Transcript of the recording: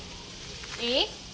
いい？